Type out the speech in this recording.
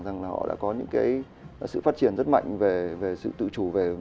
rằng là họ đã có những sự phát triển rất mạnh về sự tự chủ